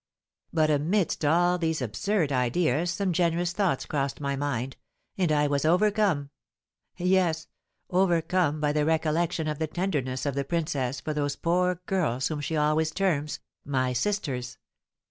But amidst all these absurd ideas some generous thoughts crossed my mind, and I was overcome, yes, overcome by the recollection of the tenderness of the princess for those poor girls whom she always terms "my sisters."